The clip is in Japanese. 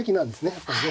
やっぱりね。